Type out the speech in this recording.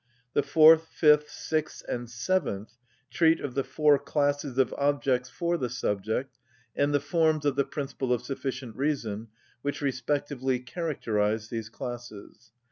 The fourth, fifth, sixth, and seventh treat of the four classes of objects for the subject, and the forms of the principle of sufficient reason which respectively characterise these classes.